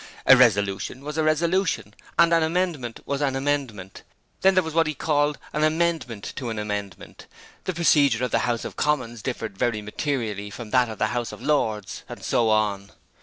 A resolution was a resolution, and an amendment was an amendment; then there was what was called an amendment to an amendment; the procedure of the House of Commons differed very materially from that of the House of Lords and so on.